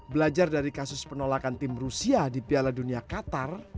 belajar dari kasus penolakan tim rusia di piala dunia qatar